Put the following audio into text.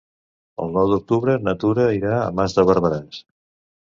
El nou d'octubre na Tura irà a Mas de Barberans.